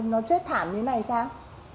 nó chết thảm như này sao